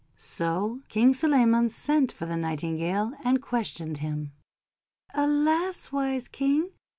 So King Suleyman sent for the Nightingale, and questioned him. "Alas! wise King!'